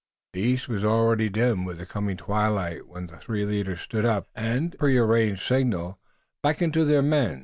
The east was already dim with the coming twilight when the three leaders stood up, and, as if by preconcerted signal, beckoned to their men.